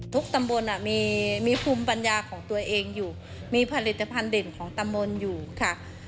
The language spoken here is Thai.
ตำบลมีภูมิปัญญาของตัวเองอยู่มีผลิตภัณฑ์เด่นของตำบลอยู่ค่ะ